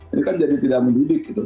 ini kan jadi tidak mendidik gitu